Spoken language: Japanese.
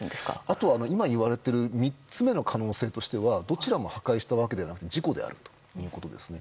あとは、今言われている３つ目の可能性としてはどちらも破壊したわけではなく事故であるということです。